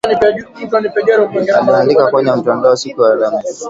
Aliandika kwenye mtandao siku ya Alhamisi.